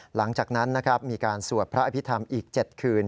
หลังจากนั้นนะครับมีการสวดพระอภิษฐรรมอีก๗คืน